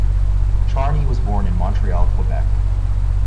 Charney was born in Montreal, Quebec.